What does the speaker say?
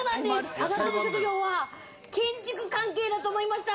あなたの職業は建築関係だと思いました。